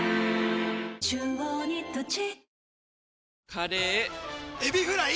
カレーエビフライ！